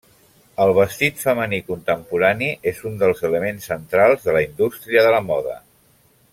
El vestit femení contemporani és un dels elements centrals de la indústria de la moda.